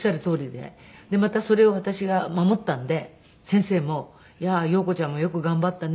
でまたそれを私が守ったんで先生も「陽子ちゃんもよく頑張ったね。